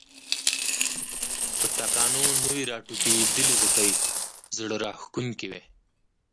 پر تاکانو نوي راټوکېدلي غوټۍ زړه راکښونکې وې.